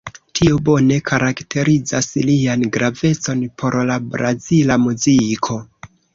Tio bone karakterizas lian gravecon por la brazila muziko.